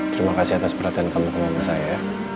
terima kasih atas perhatian kamu ke mama saya ya